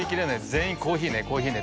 全員コーヒーねコーヒーね